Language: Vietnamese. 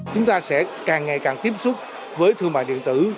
chúng ta sẽ càng ngày càng tiếp xúc với thương mại điện tử